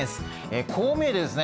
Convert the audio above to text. こう見えてですね